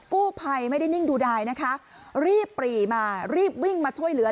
กู้ภัยไม่ได้นิ่งดูดายนะคะรีบปรีมารีบวิ่งมาช่วยเหลือ